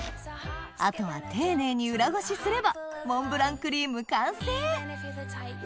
あとは丁寧に裏ごしすればモンブランクリーム完成